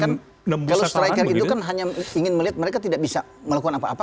kalau striker itu kan hanya ingin melihat mereka tidak bisa melakukan apa apa